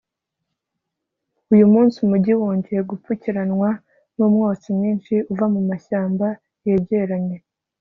Uyu munsi umujyi wongeye gupfukiranwa numwotsi mwinshi uva mumashyamba yegeranye